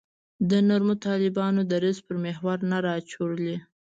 د نرمو طالبانو دریځ پر محور نه راچورلي.